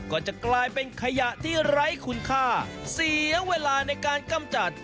ก็จะกลายเป็นขยะที่ไร้คุณค่าเสียเวลาในการกำจัด